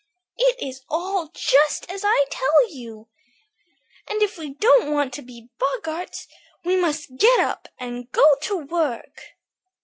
"It is all just as I tell you, and if we don't want to be boggarts, we must get up and go to work."